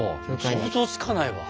想像つかないわ。